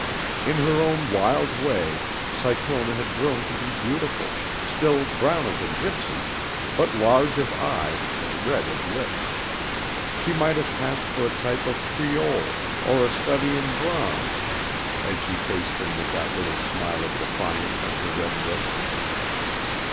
In her own wild way Cyclona had grown to be beautiful, still brown as a Gypsy, but large of eye and red of lip. She might have passed for a type of Creole or a study in bronze as she faced him with that little smile of defiance on her red lips.